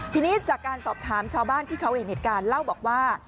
ทีนี้จากการสอบถามชาวบ้านที่เขาเห็นเหตุการณ์เล่าบอกว่า